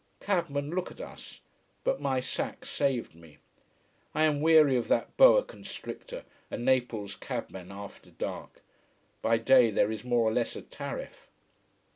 Cabmen look at us. But my sack saved me. I am weary of that boa constrictor, a Naples cabman after dark. By day there is more or less a tariff.